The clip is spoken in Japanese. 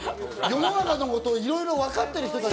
世の中のことをいろいろ分かってる人たちだ。